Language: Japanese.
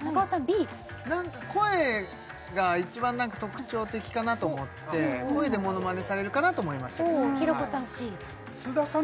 Ｂ何か声が一番特徴的かなと思って声でモノマネされるかなと思いました平子さん